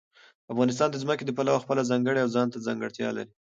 افغانستان د ځمکه د پلوه خپله ځانګړې او ځانته ځانګړتیا لري.